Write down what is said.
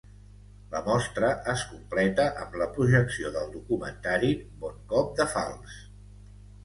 La mostra es completa amb la projecció del documentari Bon cop de falç.